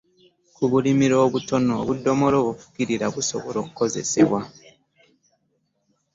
Ku bulimiro obutono, obudomola obufukirira busobola okukozesebwa.